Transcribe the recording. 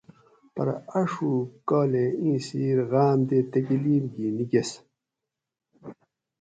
پرہ آۤشوگ کال ایں سیر غام تے تکلیف گی نیکیس